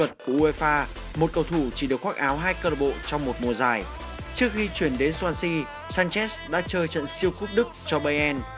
sau khi chuyển đến swansea sanchez đã chơi trận siêu quốc đức cho bayern